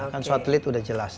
kan satelit udah jelas